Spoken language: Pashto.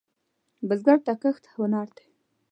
بزګر ته کښت هنر دی